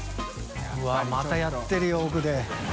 うわっまたやってるよ奥で。